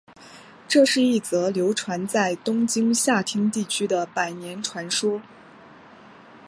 这是一则流传在东京下町地区的百年传说。